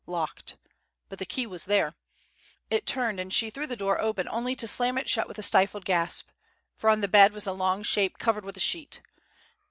Locked! But the key was there. It turned, and she threw the door open only to slam it shut with a stifled gasp for on the bed was a long shape covered with a sheet.